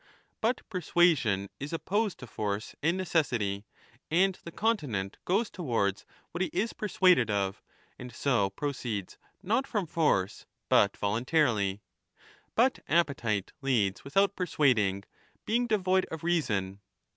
But persuasion is opposed 1224^ to force and necessity, and the continent goes ^ towards what he is persuaded of, and so proceeds not from force but voluntarily. But appetite leads without persuading, being devoid of reason.